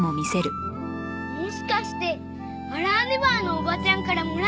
もしかしてワラワネバーのおばちゃんからもらったの？